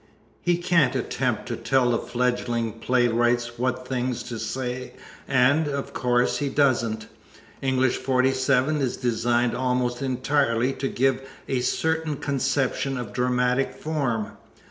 He can't attempt to tell the fledgling playwrights what things to say and, of course, he doesn't. English 47 is designed almost entirely to give a certain conception of dramatic form.